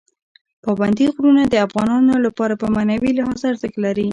پابندي غرونه د افغانانو لپاره په معنوي لحاظ ارزښت لري.